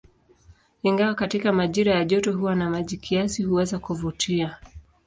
Ingawa katika majira ya joto huwa na maji kiasi, huweza kuvutia.